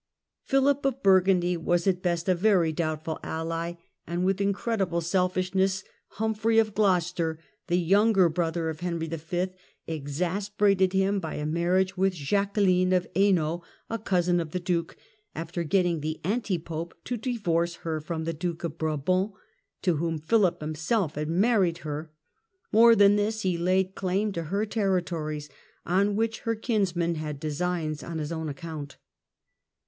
Philip of Burgundy was at best a very doubt Humphrey ful ally ; and with incredible selfishness Humphrey of ^s?ir' Gloucester, the younger brother of Henry V., exasperated Bli?und •^^^ ^y ^ marriage with Jacqueline of Hainault, a cousin of the Duke, after getting the anti Pope to divorce her from the Duke of Brabant, to whom Philip himself had married her : more than this, he laid claim to her terri tories, on which her kinsman had designs on his own account.